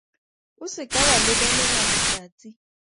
O se ka wa lebelela letsatsi.